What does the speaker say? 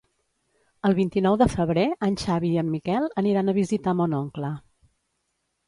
El vint-i-nou de febrer en Xavi i en Miquel aniran a visitar mon oncle.